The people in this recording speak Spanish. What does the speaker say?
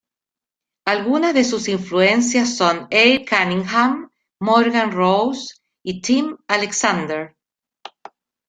Algunas de sus influencias son Abe Cunningham, Morgan Rose y Tim Alexander.